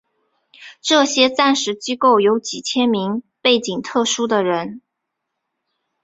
这些战时机构有几千名背景特殊的人。